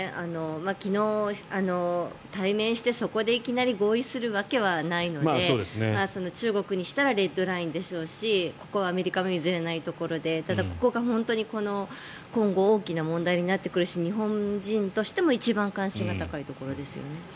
昨日、対面してそこでいきなり合意するわけはないので中国にしたらレッドラインでしょうしここはアメリカも譲れないところでただここが今後大きな問題になってくるし日本人としても一番関心が高いところですよね。